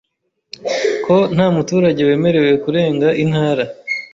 ko nta muturage wemerewe kurenga intara